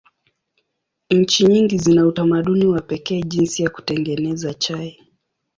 Nchi nyingi zina utamaduni wa pekee jinsi ya kutengeneza chai.